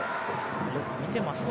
よく見てますわ。